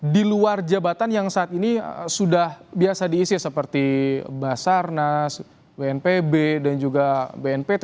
di luar jabatan yang saat ini sudah biasa diisi seperti basarnas bnpb dan juga bnpt